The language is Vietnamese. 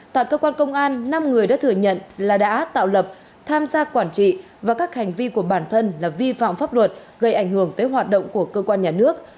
tại cơ quan công an năm người đã thừa nhận là đã tạo lập tham gia quản trị và các hành vi của bản thân là vi phạm pháp luật gây ảnh hưởng tới hoạt động của cơ quan nhà nước